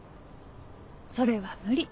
それは無理。